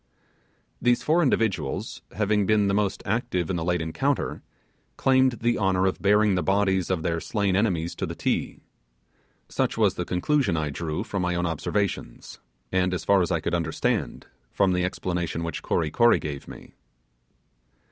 These four individuals, having been the most active in the late encounter, claimed the honour of bearing the bodies of their slain enemies to the Ti. Such was the conclusion I drew from my own observations, and, as far as I could understand, from the explanation which Kory Kory gave me.